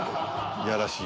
いやらしい。